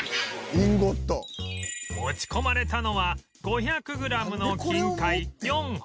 「インゴット」持ち込まれたのは５００グラムの金塊４本